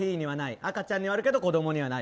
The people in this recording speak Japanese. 赤ちゃんにはあるけど子供にはない。